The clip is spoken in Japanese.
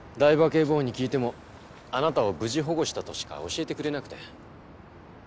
警部補に聞いてもあなたを無事保護したとしか教えてくれなくて。